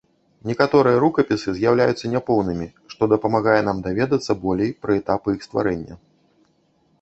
Некаторыя рукапісы з'яўляюцца няпоўнымі, што дапамагае нам даведацца болей пра этапы іх стварэння.